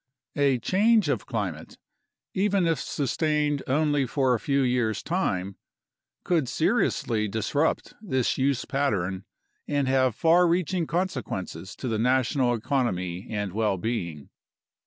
A change of climate, even if sustained only for a few years' time, could seriously disrupt this use pattern and have far reach ing consequences to the national economy and well being.